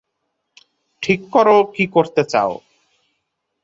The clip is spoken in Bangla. ঠিক করো, কী করতে চাও?